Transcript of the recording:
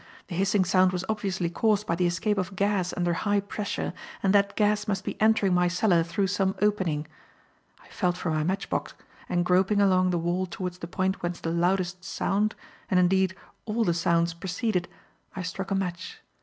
The hissing sound was obviously caused by the escape of gas under high pressure, and that gas must be entering my cellar through some opening. I felt for my match box, and, groping along the wall towards the point whence the loudest sound and, indeed, all the sounds proceeded, I struck a match.